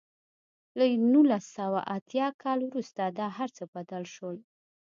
له نولس سوه اتیا کال وروسته دا هر څه بدل شول.